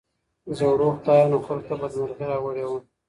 زړو خدايانو خلګو ته بدمرغي راوړې وه.